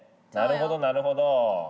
なるほどなるほど！